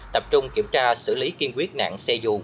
tập trung kiểm tra xử lý kiên quyết nạn xe dù